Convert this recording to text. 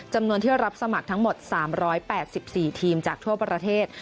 จำนวนที่รับสมัครทั้งหมด๓๘๔ทีมจากทั่วประเทศ